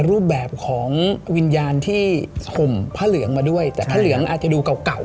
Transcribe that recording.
รูปแบบของวิญญาณที่ห่มผ้าเหลืองมาด้วยแต่ผ้าเหลืองอาจจะดูเก่าเก่า